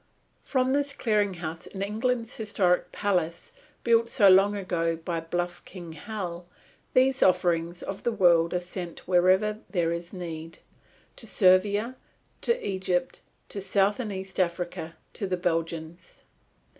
From this clearing house in England's historic old palace, built so long ago by Bluff King Hal, these offerings of the world are sent wherever there is need, to Servia, to Egypt, to South and East Africa, to the Belgians.